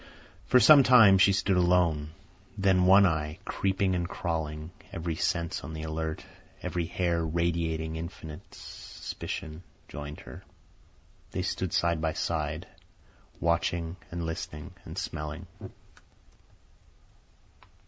For some time she stood alone. Then One Eye, creeping and crawling, every sense on the alert, every hair radiating infinite suspicion, joined her. They stood side by side, watching and listening and smelling.